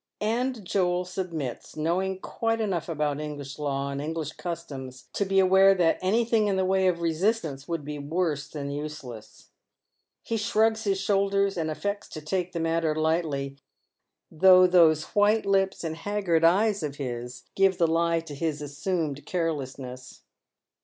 And Joel submits, knowing quite enough about English law and English customs to be aware that anything in the way of resistance would be worse than useless. He shrugs liis shoulders, »nd affects to tak« the matter lightly, though those white lips and haggard eyes of his give the Ue to his assumed carelessness.